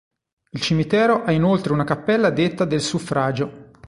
Il cimitero ha inoltre una cappella detta del Suffragio.